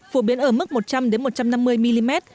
phổ biến ở mức một trăm linh một trăm năm mươi mm